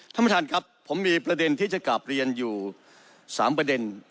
ท่านประธานครับผมมีประเด็นที่จะกลับเรียนอยู่๓ประเด็น